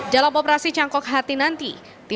dalam operasi cangkok hati nanti